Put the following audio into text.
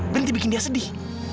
berhenti bikin dia sedih